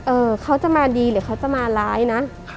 เขาจะมาดีหรือเขาจะมาร้ายนะ